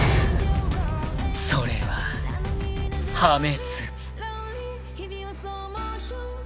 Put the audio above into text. ［それは破滅］